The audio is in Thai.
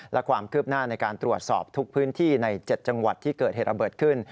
และความคืบหน้าในการตรวจสอบทุกพื้นที่ใน๗จังหวัดที่เกิดเหตุระเบิดขึ้น